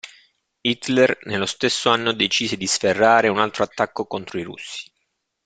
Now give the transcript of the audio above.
Hitler nello stesso anno decise di sferrare un altro attacco contro i russi.